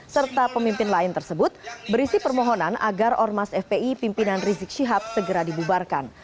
serta pemimpin lain tersebut berisi permohonan agar ormas fpi pimpinan rizik syihab segera dibubarkan